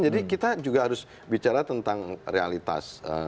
jadi kita juga harus bicara tentang realitas